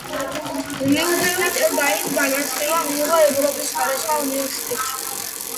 ლიუდევიტ გაიმ განათლება მიიღო ევროპის სხვადასხვა უნივერსიტეტში.